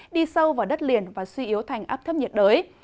đi sâu vào đất liền và suy yếu thành áp thấp nhiệt đới